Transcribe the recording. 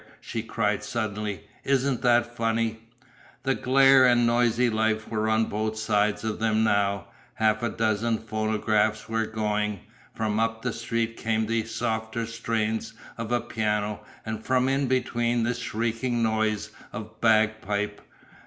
she cried suddenly. "Isn't that funny?" The glare and noisy life were on both sides of them now. Half a dozen phonographs were going. From up the street came the softer strains of a piano, and from in between the shrieking notes of bagpipe.